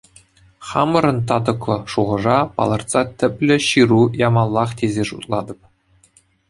Хамӑрӑн татӑклӑ шухӑша палӑртса тӗплӗ Ҫыру ямаллах тесе шутлатӑп.